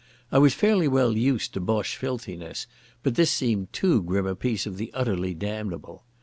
I was fairly well used to Boche filthiness, but this seemed too grim a piece of the utterly damnable.